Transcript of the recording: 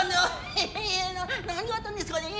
「へっへへ何があったんですかね。